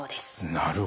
なるほど。